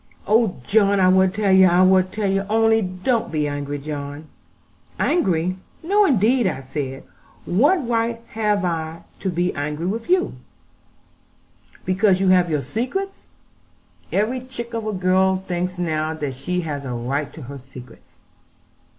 'Oh, John, I will tell you. I will tell you. Only don't be angry, John.' 'Angry! no indeed,' said I; 'what right have I to be angry with you, because you have your secrets? Every chit of a girl thinks now that she has a right to her secrets.'